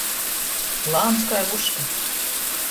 Lāns kai vuška.